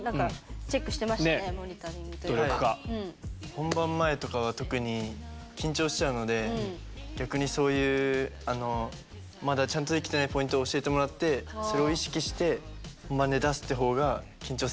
本番前とかは特に緊張しちゃうので逆にそういうまだちゃんとできてないポイントを教えてもらってそれを意識して本番で出すって方が緊張せずにできるので僕はいつも。